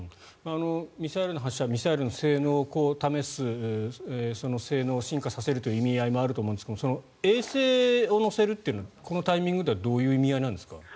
ミサイルの発射ミサイルの性能を試す性能を進化させるという意味合いもあると思うんですが衛星を載せるってこのタイミングではどういう意味合いなんですか？